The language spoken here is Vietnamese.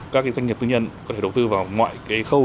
các doanh nghiệp tư nhân có thể đầu tư vào mọi cái khâu